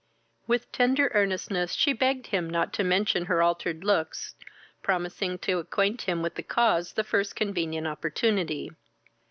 With tender earnestness she begged him not to mention her altered looks, promising to acquaint him with the cause the first convenient opportunity.